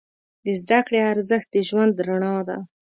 د زده کړې ارزښت د ژوند رڼا ده.